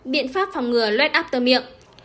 biện pháp phòng ngừa lết after miệng